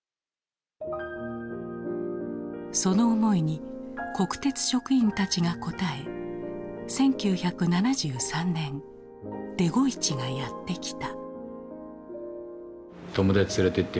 その思いに国鉄職員たちが応え１９７３年デゴイチがやって来た。